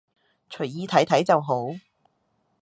隨意睇睇就好